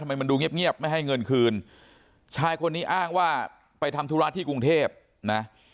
ทำไมมันดูเงียบเงียบไม่ให้เงินคืนชายคนนี้อ้างว่าไปทำธุระที่กรุงเทพนะ